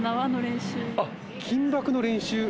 あっ、緊縛の練習？